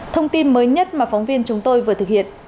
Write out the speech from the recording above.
thông tin mới nhất mà phóng viên chúng tôi vừa thực hiện